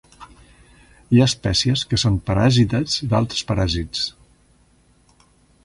Hi ha espècies que són paràsites d'altres paràsits.